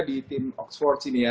di tim oxford ini ya